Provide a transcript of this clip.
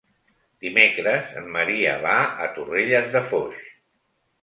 Dimecres en Maria va a Torrelles de Foix.